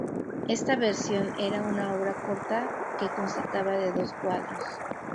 Esta versión era una obra corta que constaba de dos cuadros.